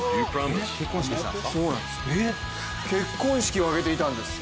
結婚式を挙げていたんです。